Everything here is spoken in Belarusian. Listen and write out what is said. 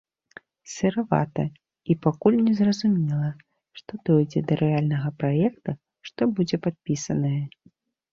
Сыравата, і пакуль незразумела, што дойдзе да рэальнага праекта, што будзе падпісанае.